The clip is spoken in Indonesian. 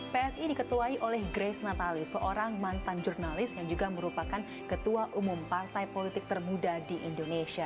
psi diketuai oleh grace natali seorang mantan jurnalis yang juga merupakan ketua umum partai politik termuda di indonesia